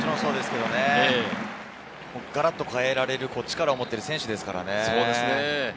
ガラッと変えられる力を持っている選手ですからね。